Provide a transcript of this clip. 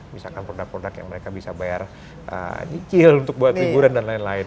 misalkan produk produk yang mereka bisa bayar nyicil untuk buat liburan dan lain lain